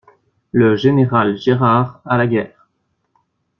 Le général Gérard à la Guerre!